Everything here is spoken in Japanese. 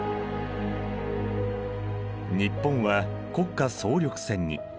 日本は国家総力戦に。